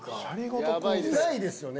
ないですよね？